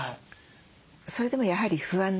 それでもやはり不安でね